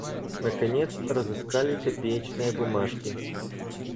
Наконец, разыскали копеечные бумажки.